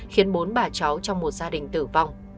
khiến bốn bà cháu trong một gia đình tử vong